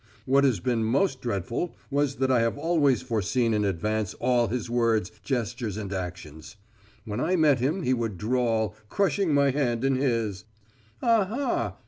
What has been most dreadful was that I have always foreseen in advance all his words, gestures and actions. When I met him he would drawl, crushing my hand in his: "Aha!